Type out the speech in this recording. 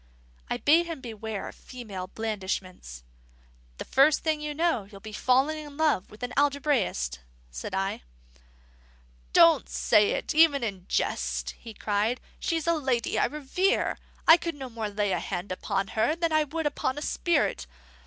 I bade him beware of female blandishments. "The first thing you know, you'll be falling in love with the algebraist," said I. "Don't say it even in jest," he cried. "She's a lady I revere. I could no more lay a hand upon her than I could upon a spirit.